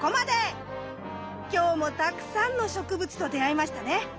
今日もたくさんの植物と出会えましたね。